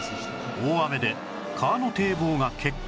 大雨で川の堤防が決壊